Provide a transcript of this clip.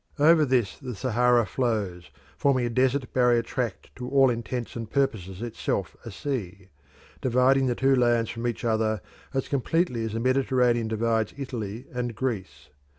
Over this the Sahara flows, forming a desert barrier tract to all intents and purposes itself a sea, dividing the two lands from each other as completely as the Mediterranean divides Italy and Greece.